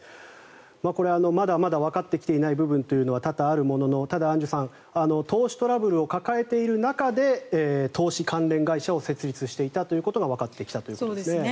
これは、まだまだわかってきていない部分というのは多々あるもののただ、アンジュさん投資トラブルを抱えている中で投資関連会社を設立していたということがわかってきたということですね。